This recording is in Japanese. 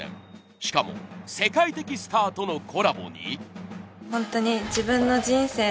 しかも世界的スターとのコラボに。